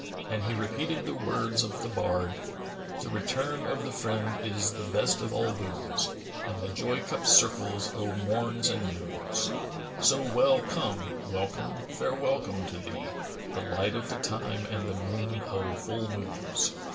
And he repeated the words of the bard, "The return of the friend is the best of all boons, * And the joy cup circles o' morns and noons: So well come, welcome, fair welcome to thee, * The light of the time and the moon o' full moons."